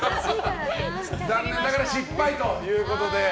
残念ながら失敗ということで。